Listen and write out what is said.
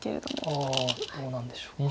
ああどうなんでしょうか。